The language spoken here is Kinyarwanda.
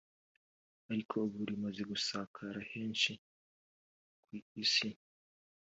ariko ubu rimaze gusakara henshi ku Isi